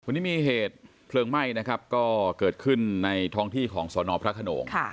วันนี้มีเหตุเผลิงไม่เกิดขึ้นในท้องที่ของสนพระขนง